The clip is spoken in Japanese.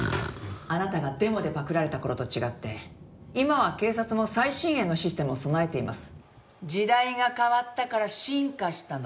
「あなたがデモでパクられた頃と違って今は警察も最新鋭のシステムを備えています」時代が変わったから進化したの。